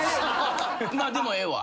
まあでもええわ。